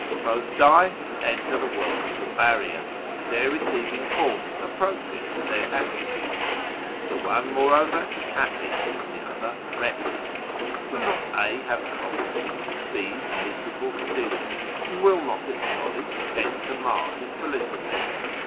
Both die and enter the ' World of the Barrier,' there receiving forms appropriate to their attributes ; the one, moreover, is happy, the other wretched. Will not A have cognisance of B's miserable condition, and will not this knowledge tend to mar his felicity